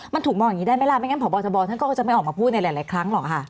มันถูกมองอย่างนี้ได้ไหมล่ะไม่งั้นพบทบท่านก็จะไม่ออกมาพูดในหลายครั้งหรอกค่ะ